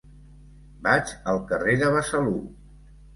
Vaig al carrer de Besalú.